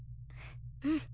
うん。